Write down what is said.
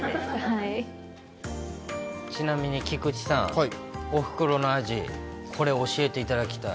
ちなみに、菊池さん、おふくろの味、これ、教えていただきたい。